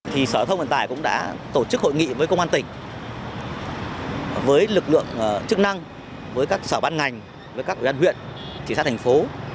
thì sở thông vận tải cũng đã tổ chức hội nghị với công an tỉnh với lực lượng chức năng với các sở ban ngành với các ủy ban huyện thị xã thành phố